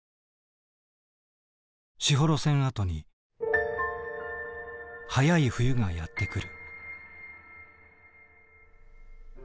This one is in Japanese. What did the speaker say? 士幌線跡に早い冬がやって来る。